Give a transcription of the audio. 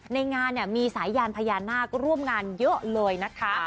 ในงานเนี่ยมีสายยานพญานาคร่วมงานเยอะเลยนะคะ